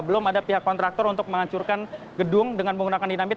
belum ada pihak kontraktor untuk menghancurkan gedung dengan menggunakan dinamit